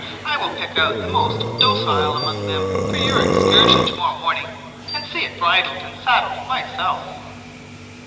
I will pick out the most docile among them for your excursion to morrow morning, and see it bridled and saddled myself."